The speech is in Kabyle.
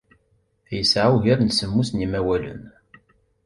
Yesɛa ugar n semmus n yimawalen.